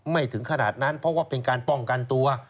ถึงขนาดนั้นเพราะว่าเป็นการป้องกันตัว